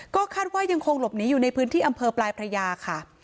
ก็คาดว่ายังคงหลบหนีอยู่ในพื้นที่อำเภอปลายพระยาค่ะ